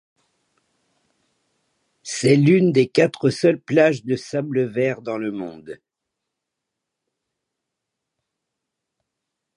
C'est l'une des quatre seules plages de sable vert dans le monde.